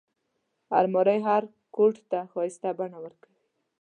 الماري هر کوټ ته ښايسته بڼه ورکوي